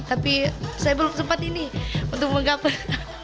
tapi saya belum sempat ini untuk meng cover